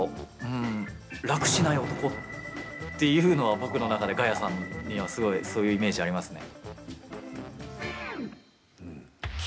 っていうのは僕の中でガヤさんには、すごいそういうイメージありますね。